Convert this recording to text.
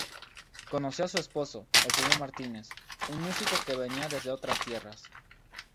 Conoció a su esposo, el señor Martínez, un músico que venía desde otras tierras.